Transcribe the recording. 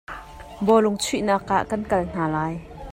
Bawlung chuihnak ah kan kal hna lai.